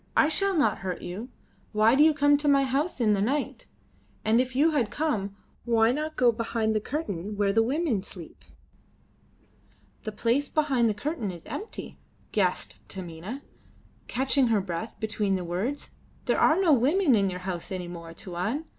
"I shall not hurt you. Why do you come to my house in the night? And if you had to come, why not go behind the curtain where the women sleep?" "The place behind the curtain is empty," gasped Taminah, catching her breath between the words. "There are no women in your house any more, Tuan.